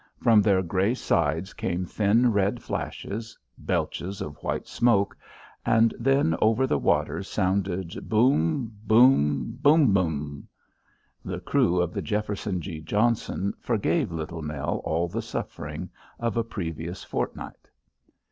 From their grey sides came thin red flashes, belches of white smoke, and then over the waters sounded boom boom boom boom. The crew of the Jefferson G. Johnson forgave Little Nell all the suffering of a previous fortnight.